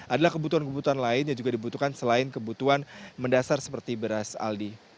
adalah kebutuhan kebutuhan lain yang juga dibutuhkan selain kebutuhan mendasar seperti beras aldi